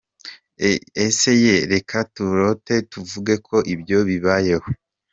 Ese ye, reka turote tuvuge ko ibyo bibayeho: